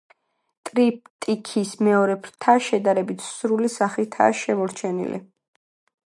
ტრიპტიქის მეორე ფრთა შედარებით სრული სახითა შემორჩენილი.